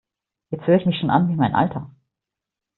Jetzt höre ich mich schon an wie mein Alter!